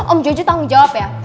om jojo tanggung jawab ya